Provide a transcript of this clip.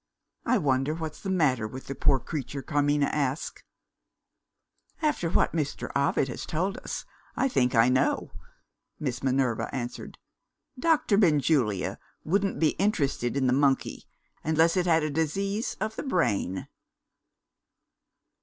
"I wonder what's the matter with the poor creature?" Carmina asked. "After what Mr. Ovid has told us, I think I know," Miss Minerva answered. "Doctor Benjulia wouldn't be interested in the monkey unless it had a disease of the brain."